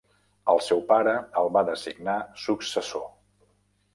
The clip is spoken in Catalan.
El seu pare el va designar successor.